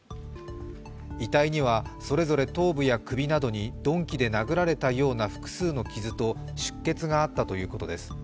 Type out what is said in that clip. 遺体にはそれぞれ頭部や首などに鈍器で殴られたような複数の傷と出血があったということです。